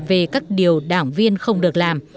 về các điều đảng viên không được làm